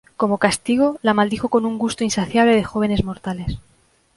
Como castigo, la maldijo con un gusto insaciable de jóvenes mortales.